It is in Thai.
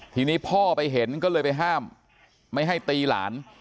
ทีนี้พ่อไปเห็นก็เลยไปห้ามไม่ให้ตีหลาน